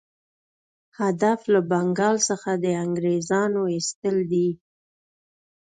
هدف له بنګال څخه د انګرېزانو ایستل دي.